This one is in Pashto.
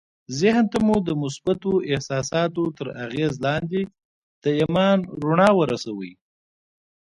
ذهن ته مو د مثبتو احساساتو تر اغېز لاندې د ايمان رڼا ورسوئ.